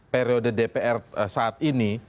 periode dpr saat ini